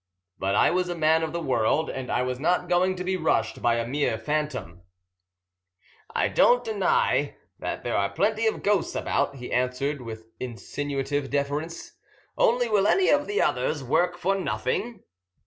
But I was a man of the world, and I was not going to be rushed by a mere phantom. "I don't deny there are plenty of ghosts about," he answered with insinuative deference. "Only will any of the others work for nothing?"